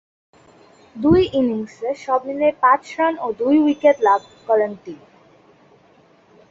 দুই ইনিংসে সবমিলিয়ে পাঁচ রান ও দুই উইকেট লাভ করেন তিনি।